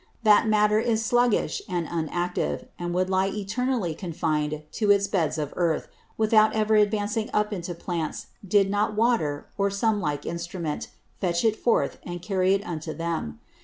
That Matter is sluggish and unactive, and would lie eternally confin'd to its Beds of Earth, without ever advancing up into Plants, did not Water, or some like Instrument, fetch it forth and carry it unto them.